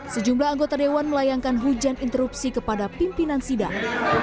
sejumlah anggota dewan melayangkan hujan interupsi kepada pimpinan sidang